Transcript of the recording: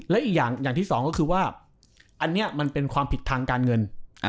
และอีกอย่างที่สองก็คือว่าอันนี้มันเป็นความผิดทางการเงิน